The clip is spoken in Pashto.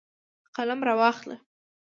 قلم راواخله